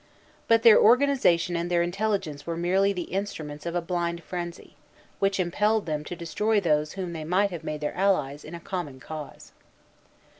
But their organization and their intelligence were merely the instruments of a blind frenzy, which impelled them to destroy those whom they might have made their allies in a common cause.